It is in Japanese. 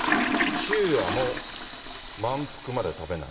昼夜も満腹まで食べない。